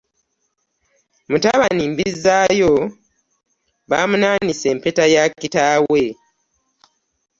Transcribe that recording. Mutabani Mbizaayo bamunanise empeta ya kitaawe.